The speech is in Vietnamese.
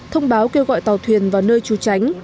thông báo kêu gọi tàu thuyền vào nơi trú tránh